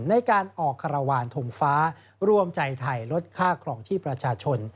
ในการออกคารวาลทงฟ้ารวมใจไทยลดค่าครองที่ประชาชน